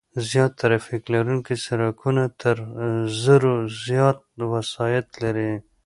زیات ترافیک لرونکي سرکونه تر زرو زیات وسایط لري